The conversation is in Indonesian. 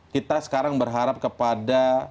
kita sekarang berharap kepada